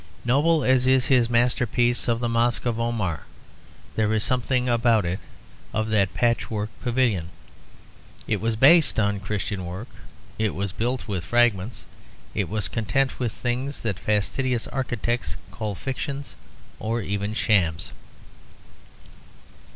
Noble as is his masterpiece of the Mosque of Omar, there is something about it of that patchwork pavilion. It was based on Christian work, it was built with fragments, it was content with things that fastidious architects call fictions or even shams.